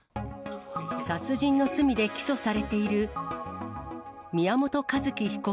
殺人の罪で起訴されている宮本一希被告